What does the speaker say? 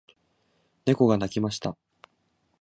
猫が鳴きました。